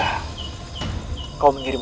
aku akan menangkapmu